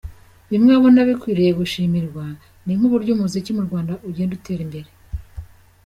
Bimwe abona bikwiriye gushimirwa ni nk’uburyo umuziki mu Rwanda ugenda utera imbere.